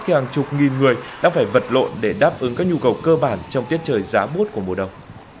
hàng chục nghìn người đang phải vật lộn để đáp ứng các nhu cầu cơ bản trong tiết trời giá bút của mùa đông